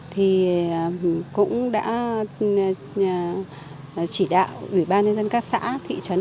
thì cũng đã chỉ đạo ủy ban nhân dân các xã thị trấn